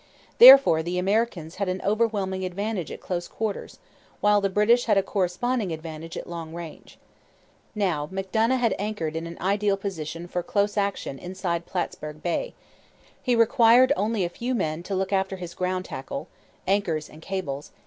Therefore the Americans had an overwhelming advantage at close quarters, while the British had a corresponding advantage at long range. Now, Macdonough had anchored in an ideal position for close action inside Plattsburg Bay. He required only a few men to look after his ground tackle; [Footnote: Anchors and cables.